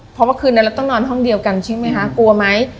เพราะเมื่อคืนนั้นเราต้องนอนห้องเดียวกันใช่ไหมคะกลัวไหม